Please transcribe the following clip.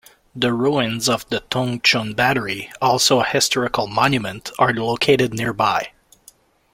The ruins of the Tung Chung Battery, also a historical monument, are located nearby.